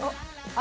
あ！